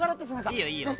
いいよいいよ。